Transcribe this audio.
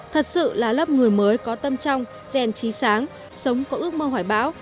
thật sự là lớp người mới có tâm trong rèn trí sáng sống có ước mơ hoài bão